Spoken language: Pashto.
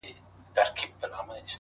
ټولو په لپو کي سندرې” دې ټپه راوړې”